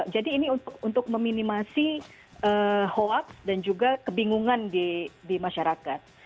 ini untuk meminimasi hoax dan juga kebingungan di masyarakat